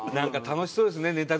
楽しそうなんですよね。